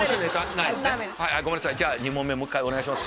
２問目もう１回お願いします